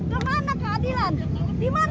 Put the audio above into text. di mana keadilan